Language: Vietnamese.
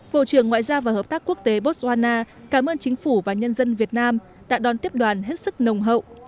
bộ trưởng ngoại giao và hợp tác quốc tế botswana cảm ơn chính phủ và nhân dân việt nam đã đón tiếp đoàn hết sức nồng hậu